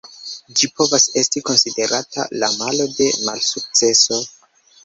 Ĝi povas esti konsiderata la malo de malsukceso.